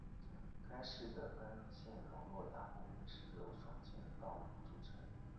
该市的干线网络大部分是由双线道路组成。